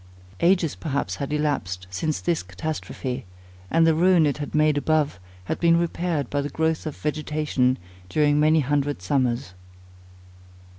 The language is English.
Ages perhaps had elapsed since this catastrophe; and the ruin it had made above, had been repaired by the growth of vegetation during many hundred summers.